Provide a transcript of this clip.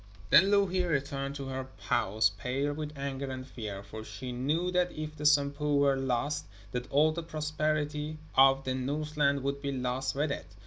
Then Louhi returned to her house pale with anger and fear, for she knew that if the Sampo were lost that all the prosperity of the Northland would be lost with it.